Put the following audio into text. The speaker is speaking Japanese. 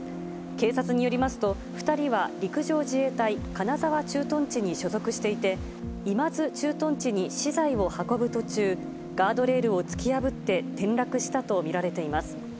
警察によりますと、２人は陸上自衛隊金沢駐屯地に所属していて、今津駐屯地に資材を運ぶ途中、ガードレールを突き破って、転落したと見られています。